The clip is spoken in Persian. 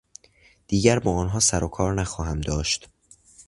دیگر با آنها سر و کار نخواهم داشت.